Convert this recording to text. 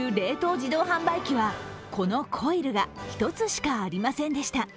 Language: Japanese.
自動販売機はこのコイルが１つしかありませんでした。